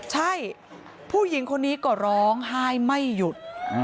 ใช่ผู้หญิงคนนี้ก็ร้องไห้ไม่หยุด